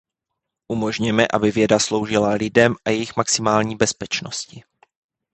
Umožněme, aby věda sloužila lidem a jejich maximální bezpečnosti.